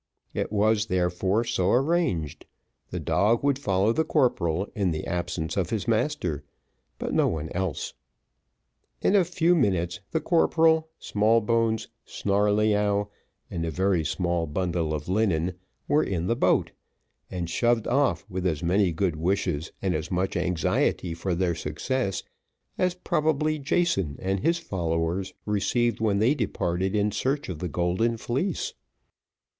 It was therefore so arranged; the dog would follow the corporal in the absence of his master, but no one else. In a few minutes the corporal, Smallbones, Snarleyyow, and a very small bundle of linen, were in the boat, and shoved off with as many good wishes and as much anxiety for their success, as probably Jason and his followers received when they departed in search of the Golden Fleece.